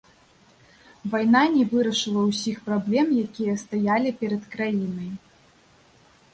Вайна не вырашыла ўсіх праблем, якія стаялі перад краінай.